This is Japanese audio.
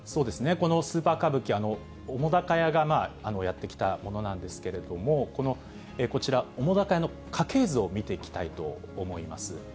このスーパー歌舞伎、澤瀉屋がやってきたものなんですけれども、こちら、澤瀉屋の家系図を見ていきたいと思います。